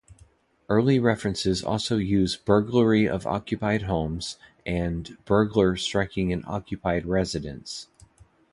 Early references also use "burglary of occupied homes" and "burglar striking an occupied residence".